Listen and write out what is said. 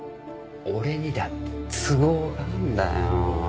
俺にだって都合があるんだよ。